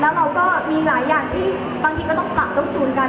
แล้วเราก็มีหลายอย่างที่บางทีก็ต้องปรับต้องจูนกัน